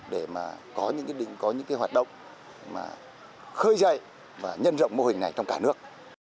để có những hoạt động khơi dày và nhân rộng mô hình này trong cả nước